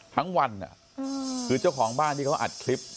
ทั้งวันคือเจ้าของบ้านที่เขาอัดคลิป